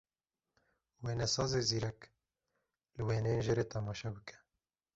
Wênesazê zîrek, li wêneyên jêrê temaşe bike.